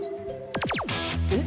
えっ？